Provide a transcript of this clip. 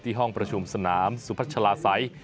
ห้องประชุมสนามสุพัชลาศัย